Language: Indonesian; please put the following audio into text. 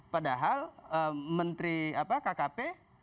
padahal menteri kkp